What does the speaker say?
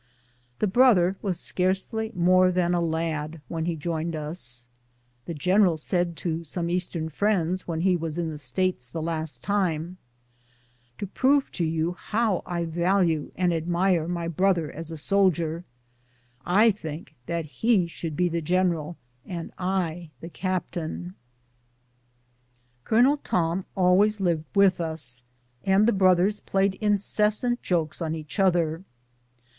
This brother was scarcely more than a lad when he joined us. The gen LRKAKING UP OF THE MISSOURI. 233 eial said to some Eastern friends when lie was in the States the last time, "To prove to you how I value and admire my brother as a soldier, I think that he should be the general and I the captain." Colonel Tom always lived with us, and the brothers played incessant jokes on each other.